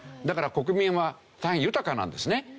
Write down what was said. だから国民は大変豊かなんですね。